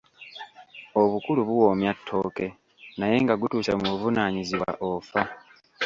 Obukulu buwoomyattooke naye nga gutuuse mu buvunanyizibwa ofa.